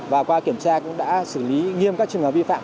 và qua kiểm tra cũng đã xử lý nghiêm các trường hợp vi phạm